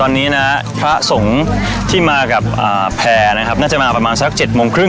ตอนนี้นะพระสงฆ์ที่มากับแพร่นะครับน่าจะมาประมาณสัก๗โมงครึ่ง